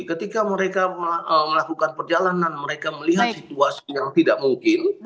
ketika mereka melakukan perjalanan mereka melihat situasi yang tidak mungkin